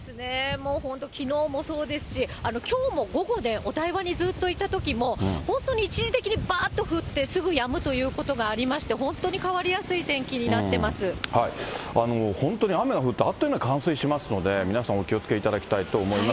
もう本当、きのうもそうですし、きょうも午後、お台場にずっといたときも、本当に一時的にばーっと降って、すぐやむということがありまして、本当に変わりやすい天気になって本当に雨が降るとあっという間に冠水しますので、皆さんお気をつけいただきたいと思います。